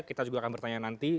kita juga akan bertanya nanti